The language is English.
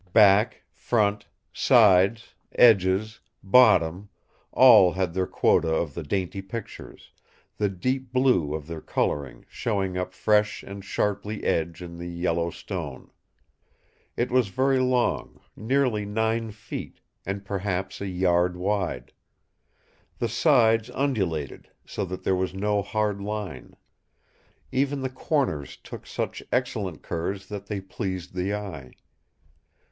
Back, front, sides, edges, bottom, all had their quota of the dainty pictures, the deep blue of their colouring showing up fresh and sharply edged in the yellow stone. It was very long, nearly nine feet; and perhaps a yard wide. The sides undulated, so that there was no hard line. Even the corners took such excellent curves that they pleased the eye.